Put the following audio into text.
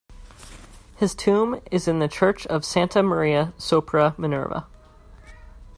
His tomb is in the church of Santa Maria sopra Minerva.